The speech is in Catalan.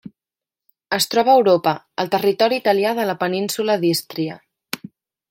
Es troba a Europa: el territori italià de la península d'Ístria.